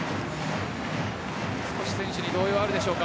少し選手に動揺があるんでしょうか。